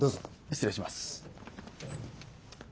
失礼します。